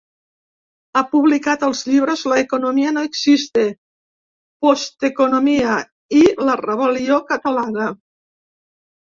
Ha publicat els llibres ‘La economia no existe’, ‘Posteconomia’ i ‘La rebel·lió catalana’.